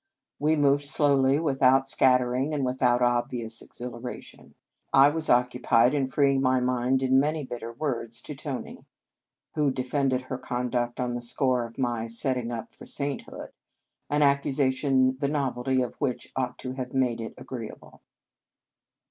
We moved slowly, without .scattering, and with out obvious exhilaration. I was oc cupied in freeing my mind in many bitter words to Tony, who defended her conduct on the score of my " set ting up for sainthood," an accusa tion the novelty of which ought to have made it agreeable.